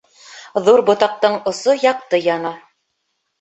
Ҙур ботаҡтың осо яҡты яна.